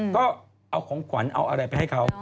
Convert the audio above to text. ก็เอาของขวัญเอาอะไรไปให้เขา